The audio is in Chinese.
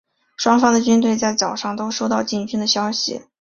双方的军队在早上都收到进军的消息。